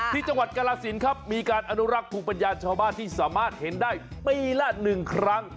ที่จังหวัดกรสินครับมีการอนุรักษ์ภูมิปัญญาชาวบ้านที่สามารถเห็นได้ปีละ๑ครั้ง